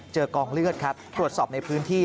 กองเลือดครับตรวจสอบในพื้นที่